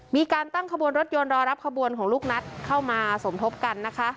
มีการตั้งขบวนรถยนต์รอรับขบวนของลูกนัดเข้ามาสมทบกันนะคะ